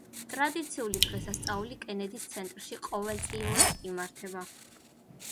ტრადიციული დღესასწაული კენედის ცენტრში ყოველწლიურად იმართება.